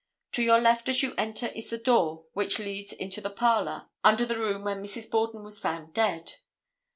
To your left as you enter is the door which leads into the parlor under the room where Mrs. Borden was found dead.